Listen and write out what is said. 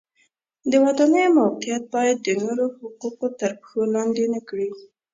د ودانیو موقعیت باید د نورو حقوق تر پښو لاندې نه کړي.